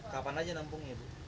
kapan aja nampungnya